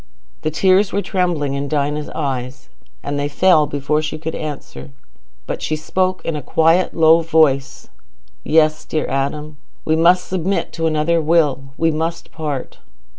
The tears were trembling in Dinah's eyes, and they fell before she could answer. But she spoke in a quiet low voice. "Yes, dear Adam, we must submit to another Will. We must part."